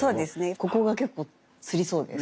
ここが結構つりそうです。